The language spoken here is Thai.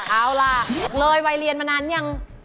เอาล่ะเลยวัยเรียนมานานยัง